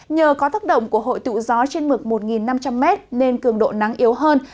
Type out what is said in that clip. nhờ có tác động của hội tụ gió trên mực một năm trăm linh m nên cường độ nắng yếu hơn